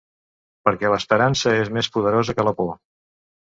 Perquè l’esperança és més poderosa que la por.